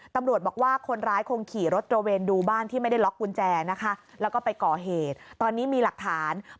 ตำรวจบอกว่าคนร้ายคงขี่รถโตเวนดูบ้านที่ไม่ได้ล็อกกุญแจนะคะ